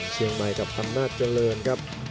เชียงใหม่กับอำนาจเจริญครับ